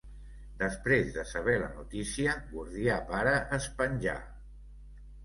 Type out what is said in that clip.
Després de saber la notícia, Gordià pare es penjà.